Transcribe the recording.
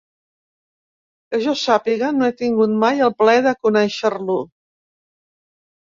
Que jo sàpiga, no he tingut mai el plaer de conèixer-lo.